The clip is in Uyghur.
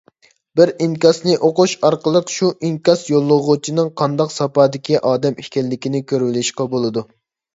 بىر ئىنكاسنى ئوقۇش ئارقىلىق شۇ ئىنكاس يوللىغۇچىنىڭ قانداق ساپادىكى ئادەم ئىكەنلىكىنى كۆرۈۋېلىشقا بولىدۇ.